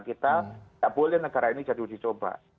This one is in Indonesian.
kita tidak boleh negara ini jadi uji coba